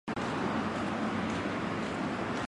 毕业后在长江水利委员会规划处工。